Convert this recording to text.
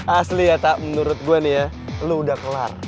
asli ya tak menurut gue nih ya lo udah kelar